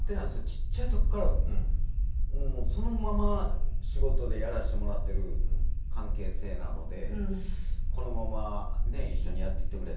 ちっちゃい時からもうそのまま仕事でやらせてもらっている関係性なのでこのままねえ一緒にやっていってくれたら。